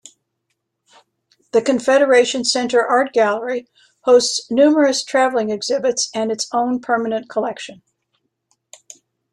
The Confederation Centre Art Gallery hosts numerous traveling exhibits and its own permanent collection.